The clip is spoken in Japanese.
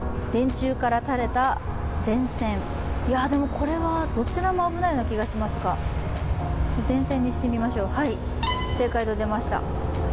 これはどちらも危ないような気がしますが電線にしてみましょう、正解と出ました。